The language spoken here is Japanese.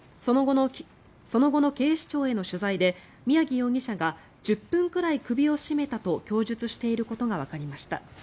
その後の警視庁への取材で宮城容疑者が１０分くらい首を絞めたと供述していることがわかりました。